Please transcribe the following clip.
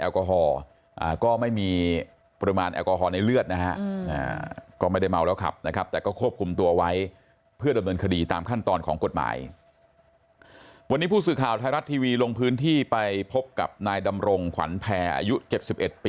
ก็ไม่ได้เมาแล้วครับนะครับแต่ก็ควบคุมตัวไว้เพื่อดำเนินคดีตามขั้นตอนของกฎหมายนะครับ